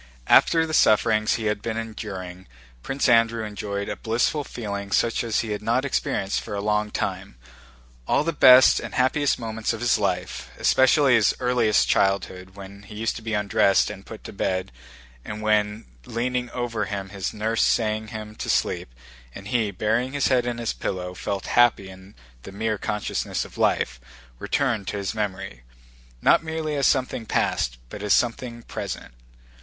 After the sufferings he had been enduring, Prince Andrew enjoyed a blissful feeling such as he had not experienced for a long time. All the best and happiest moments of his life—especially his earliest childhood, when he used to be undressed and put to bed, and when leaning over him his nurse sang him to sleep and he, burying his head in the pillow, felt happy in the mere consciousness of life—returned to his memory, not merely as something past but as something present.